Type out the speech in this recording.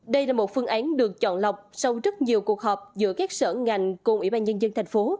đây là một phương án được chọn lọc sau rất nhiều cuộc họp giữa các sở ngành cùng ủy ban nhân dân thành phố